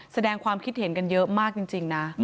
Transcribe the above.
แสดงความคิดเห็นกันเยอะมากจริงนะ